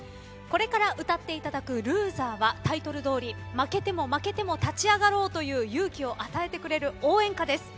これから歌っていただく「ＬＯＳＥＲ」はタイトルどおり負けても負けても立ち上がろうという勇気を与えてくれる応援歌です。